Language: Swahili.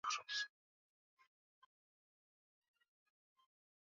Bahati nzuri ni kuwa si wengi ndio maana uhusiano wa nchi zetu mbili unastawi